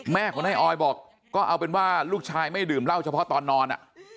แม่ของนายออยบอกก็เอาเป็นว่าลูกชายไม่ดื่มเหล้าเฉพาะตอนนอน